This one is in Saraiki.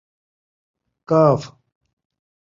ق